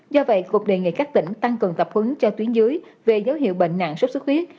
do vậy cục đề nghị các tỉnh tăng cường tập hứng cho tuyến dưới về dấu hiệu bệnh nặng xuất xuất huyết